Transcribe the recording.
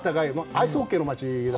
アイスホッケーの街で。